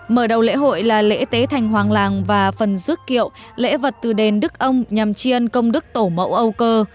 mở đầu lễ hội là lễ tế thành hoàng làng và phần rước kiệu lễ vật từ đền đức ông nhằm tri ân công đức tổ mẫu âu cơ